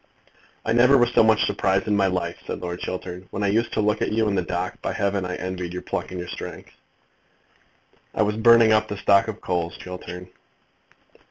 "I never was so much surprised in my life," said Lord Chiltern. "When I used to look at you in the dock, by heaven I envied you your pluck and strength." "I was burning up the stock of coals, Chiltern."